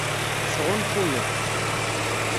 Tesɣunfuyeḍ.